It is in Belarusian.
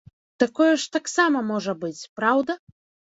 Такое ж таксама можа быць, праўда?